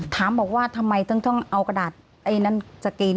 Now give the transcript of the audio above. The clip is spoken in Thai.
ถามบอกว่าทำไมต้องเอากระดาษไอ้นั้นสกรีน